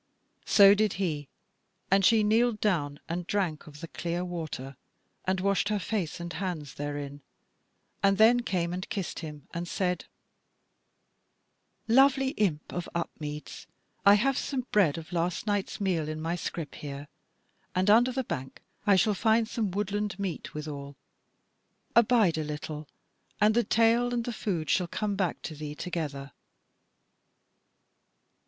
So did he, and she kneeled down and drank of the clear water, and washed her face and hands therein, and then came and kissed him and said: "Lovely imp of Upmeads, I have some bread of last night's meal in my scrip here, and under the bank I shall find some woodland meat withal; abide a little and the tale and the food shall come back to thee together."